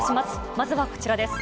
まずはこちらです。